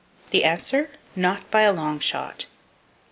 The answer? Not by a long shot!